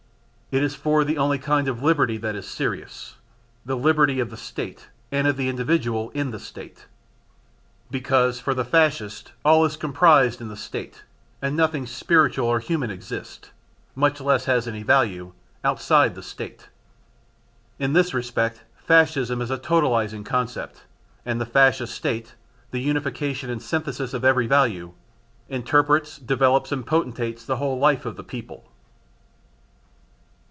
It is for the only kind of liberty that is serious the liberty of the State and of the individual in the State. Because, for the Fascist, all is comprised in the State and nothing spiritual or human exists much less has any value outside the State. In this respect Fascism is a totalising concept, and the Fascist State the unification and synthesis of every value interprets, develops and potentiates the whole life of the people.